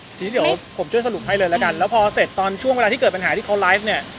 ทีนี้เดี๋ยวผมช่วยสรุปให้เลยแล้วกันแล้วพอเสร็จตอนช่วงเวลาที่เกิดปัญหาที่เขาไลฟ์เนี่ย